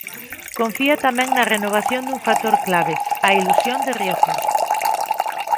Confía tamén na renovación dun factor clave: a ilusión de Riazor.